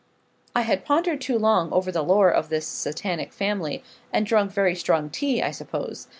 I had pondered too long over the lore of this Satanic family, and drunk very strong tea, I suppose.